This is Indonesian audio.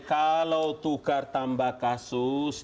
kalau tukar tambah kasus